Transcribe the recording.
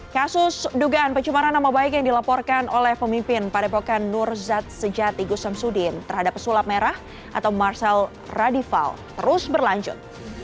kasus dugaan pecemaran nama baik yang dilaporkan oleh pemimpin pada papan nurzat sejati gus samsudin terhadap pesulap merah atau marcel radifal terus berlanjut